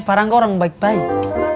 parangga orang baik baik